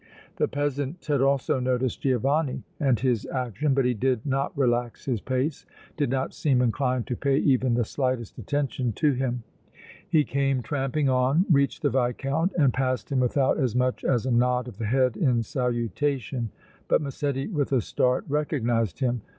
The peasant had also noticed Giovanni and his action, but he did not relax his pace, did not seem inclined to pay even the slightest attention to him. He came tramping on, reached the Viscount and passed him without as much as a nod of the head in salutation. But Massetti with a start recognized him.